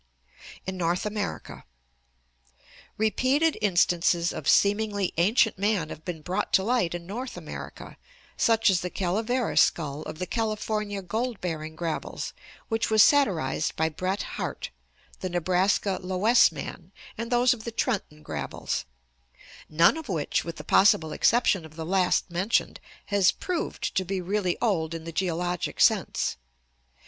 In North America. — Repeated instances of seemingly ancient man have been brought to light in North America, such as the "Caleveras skull" of the California gold bearing gravels, which was satirized by Bret Harte; the Nebraska "Loess man"; and those of the Trenton gravels: none of which, with the possible exception of the last mentioned, has proved to be really old in the geologic sense.